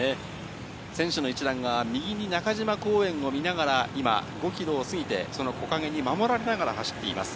選手の一団が右に中島公園を見ながら今、５キロを過ぎて、その木陰に守られながら走っています。